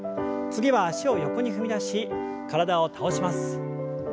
次は脚を横に踏み出し体を倒します。